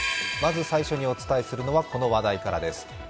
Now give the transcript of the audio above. まず最初にお伝えするのはこの話題からです。